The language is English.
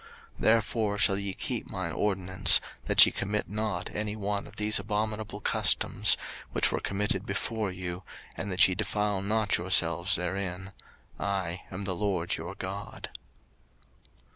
03:018:030 Therefore shall ye keep mine ordinance, that ye commit not any one of these abominable customs, which were committed before you, and that ye defile not yourselves therein: I am the LORD your God.